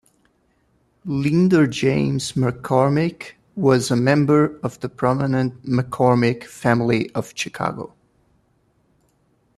Leander James McCormick was a member of the prominent McCormick family of Chicago.